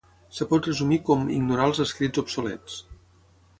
Es pot resumir com "ignorar els escrits obsolets".